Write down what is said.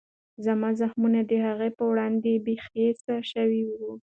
زما زخمونه د هغې په وړاندې بېحسه شوي وو.